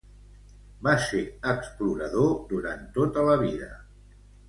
Va ser explorador durant tota la vida.